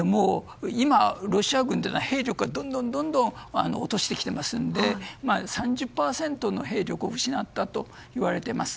今はロシア軍は、兵力をどんどん落としてきていますので３０％の兵力を失ったといわれています。